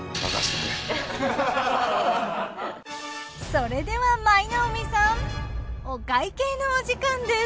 それでは舞の海さんお会計のお時間です。